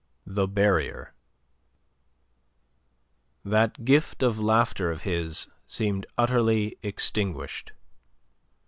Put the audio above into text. THE BARRIER That gift of laughter of his seemed utterly extinguished.